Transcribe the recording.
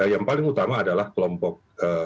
yang paling utama adalah kelompok